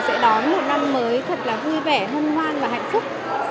sẽ đón một năm mới thật là vui vẻ hân hoan và hạnh phúc